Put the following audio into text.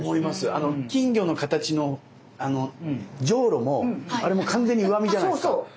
金魚の形のじょうろもあれも完全に上見じゃないですか。